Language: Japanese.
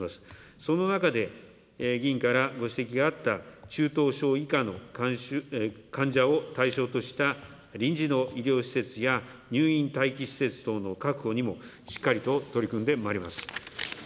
その中で、議員からご指摘があった中等症以下の患者を対象とした臨時の医療施設や入院待機施設等の確保にもしっかりと取り組んでまいります。